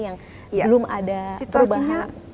yang belum ada perubahan